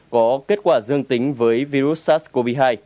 có kết quả dương tính với virus sars cov hai